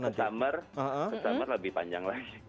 nanti ke summer lebih panjang lagi